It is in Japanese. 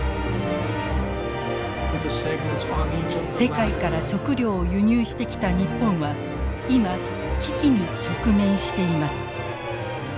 世界から食料を輸入してきた日本は今危機に直面しています。